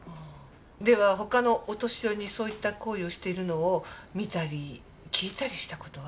では他のお年寄りにそういった行為をしてるのを見たり聞いたりした事は？